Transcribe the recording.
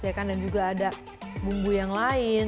ya kan dan juga ada bumbu yang lain